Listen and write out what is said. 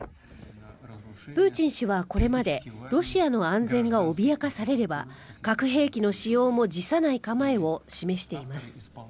プーチン氏はこれまでロシアの安全が脅かされれば核兵器の使用も辞さない構えを示しています。